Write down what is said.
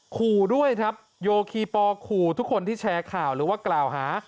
ขู่ด้วยครับโยคีปอลขู่ทุกคนที่แชร์ข่าวหรือว่ากล่าวหา